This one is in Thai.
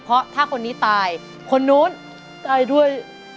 เพราะถ้าคนนี้ตายคนนู้นตายด้วย